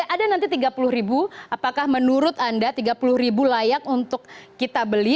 ada nanti tiga puluh ribu apakah menurut anda rp tiga puluh ribu layak untuk kita beli